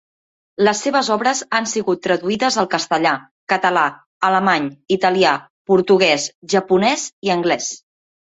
Les seves obres han sigut traduïdes al castellà, català, alemany, italià, portuguès, japonès i anglès.